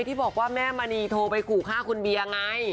ที่บอกแม่มณีโทรไปขุข้าคุณบี้ยังไง